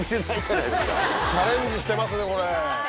チャレンジしてますねこれ。